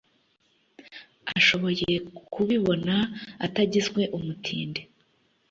ashoboye kubibona atagizwe umutindi